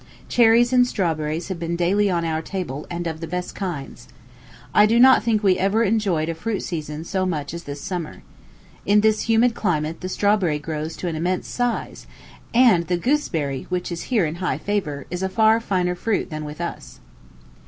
Cherries and strawberries have been daily on our tables, and of the best kinds. I do not think we ever enjoyed a fruit season so much as this summer. In this humid climate the strawberry grows to an immense size; and the gooseberry, which is here in high favor, is a far finer fruit than with us.